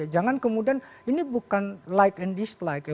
jangan kemudian ini bukan like and dislike ya